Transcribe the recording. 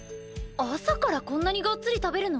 朝からこんなにがっつり食べるの？